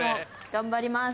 ・頑張ります！